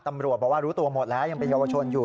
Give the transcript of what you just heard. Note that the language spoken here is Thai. ตำรวจบอกว่ารู้ตัวหมดแล้วยังเป็นเยาวชนอยู่